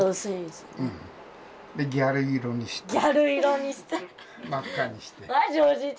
「ギャル色にして」。